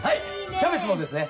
キャベツもですね。